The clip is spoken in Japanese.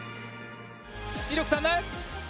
威力たんない？